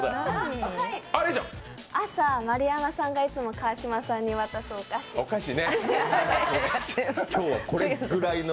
朝、丸山さんがいつも川島さんに渡すお菓子。